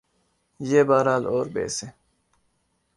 یہ بہرحال اور بحث ہے۔